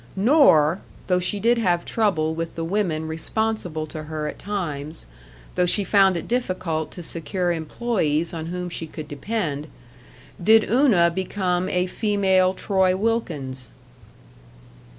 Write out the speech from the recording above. Nor, though she did have trouble with the women responsible to her at times, though she found it difficult to secure employees on whom she could depend, did Una become a female Troy Wilkins.